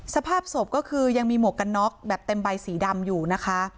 สภาพศพก็คือยังมีหมวกกันน็อกแบบเต็มใบสีดำอยู่นะคะ